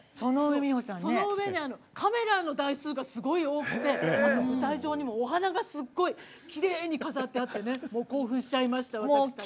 カメラの台数がすごく多くて舞台上にも、お花がすごいきれいに飾ってあって興奮しちゃいました、私たち。